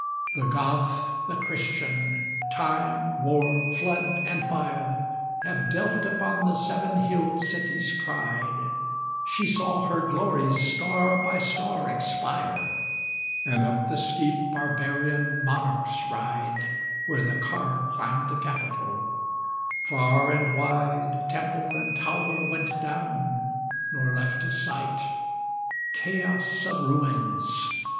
The Goth, the Christian, Time, War, Flood, and Fire Have dealt upon the seven hilled city's pride: She saw her glories star by star expire, And up the steep, Barbarian monarchs ride, Where the car climbed the Capitol; far and wide Temple and tower went down, nor left a site: Chaos of ruins!